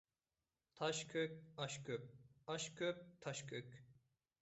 تاش كۆك، ئاش كۆپ، ئاش كۆپ، تاش كۆك.